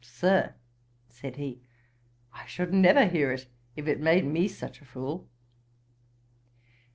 'Sir, (said he,) I should never hear it, if it made me such a fool.'